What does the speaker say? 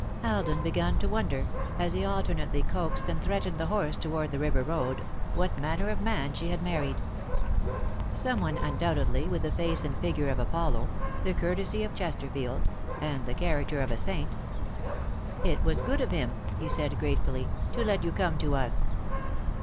Alden began to wonder, as he alternately coaxed and threatened the horse toward the river road, what manner of man she had married. Someone, undoubtedly, with the face and figure of Apollo, the courtesy of Chesterfield, and the character of a saint. "It was good of him," he said, gratefully, "to let you come to us."